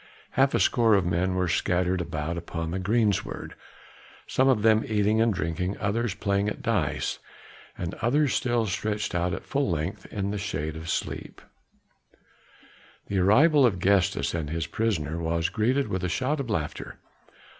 Half a score of men were scattered about upon the greensward, some of them eating and drinking, others playing at dice, and others still stretched out at full length in the shade asleep. The arrival of Gestas and his prisoner was greeted with a shout of laughter.